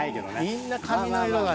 みんな髪の色がね。